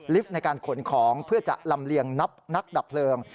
ลิฟต์ในการขนของเพื่อจะลำเรียงนักดับเพลิง